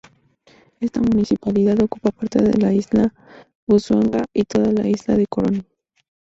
Esta municipalidad ocupa parte de la Isla Busuanga y toda la isla de Corón.